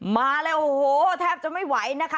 มาแล้วโอ้โหแทบจะไม่ไหวนะคะ